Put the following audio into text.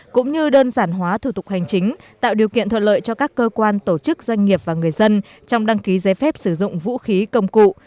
cũng như đơn giản hóa thủ tục hành chính tạo điều kiện thuận lợi cho các cơ quan tổ chức doanh nghiệp và người dân trong đăng ký giấy phép sử dụng vũ khí công cụ